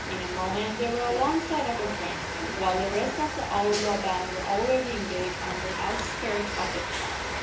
In a moment they were alongside of their friends, while the rest of the outlaw band were already engaged on the outskirts of the crowd.